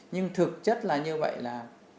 nhưng thực chất là như vậy là